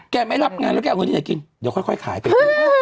แกไม่รับงานแล้วแกเอาเงินไหนกิน